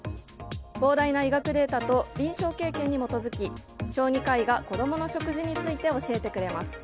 膨大な医学データと臨床経験に基づき小児科医が子供の食事について教えてくれます。